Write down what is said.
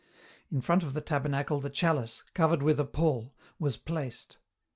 In front of the tabernacle the chalice, covered with a pall, was placed.